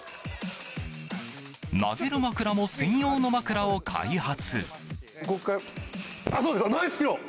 投げる枕も専用の枕を開発。